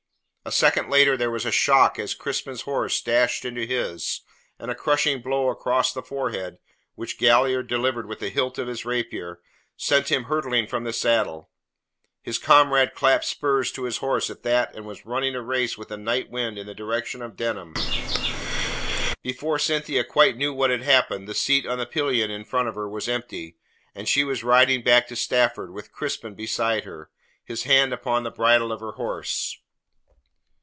A second later there was a shock as Crispin's horse dashed into his, and a crushing blow across the forehead, which Galliard delivered with the hilt of his rapier, sent him hurtling from the saddle. His comrade clapped spurs to his horse at that and was running a race with the night wind in the direction of Denham. Before Cynthia quite knew what had happened the seat on the pillion in front of her was empty, and she was riding back to Stafford with Crispin beside her, his hand upon the bridle of her horse.